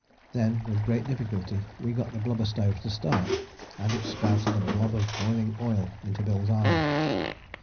Then with great difficulty we got the blubber stove to start, and it spouted a blob of boiling oil into Bill's eye.